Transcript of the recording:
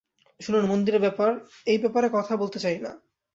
শুনুন, মন্দিরের ব্যাপার, এই ব্যাপারে কথা বলতে চাই না।